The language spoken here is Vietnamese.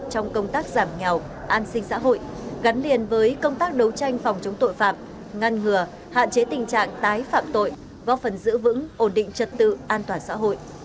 trong công tác giảm nghèo an sinh xã hội gắn liền với công tác đấu tranh phòng chống tội phạm ngăn ngừa hạn chế tình trạng tái phạm tội góp phần giữ vững ổn định trật tự an toàn xã hội